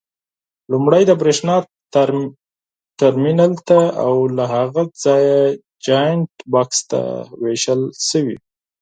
لومړی د برېښنا ترمینل ته او له هغه ځایه جاینټ بکس ته وېشل شوي.